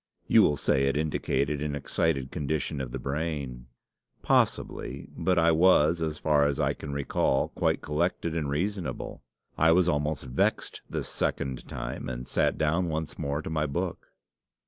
You will say it indicated an excited condition of the brain. Possibly; but I was, as far as I can recall, quite collected and reasonable. I was almost vexed this second time, and sat down once more to my book.